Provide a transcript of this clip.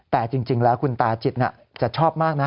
แต่จริงแล้วคุณตาจิตจะชอบมากนะ